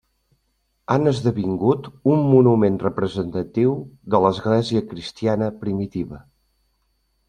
Han esdevingut un monument representatiu de l'església cristina primitiva.